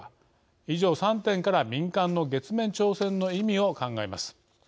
以上３点から民間の月面挑戦の意味を考えます。